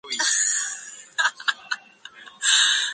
El grupo fue incluido por el cantante y compositor Smokey Robinson.